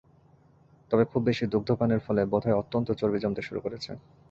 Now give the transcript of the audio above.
তবে খুব বেশী দুগ্ধপানের ফলে বোধ হয় অত্যন্ত চর্বি জমতে শুরু করেছে।